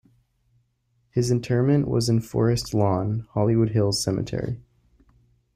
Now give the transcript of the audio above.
His interment was in Forest Lawn - Hollywood Hills Cemetery.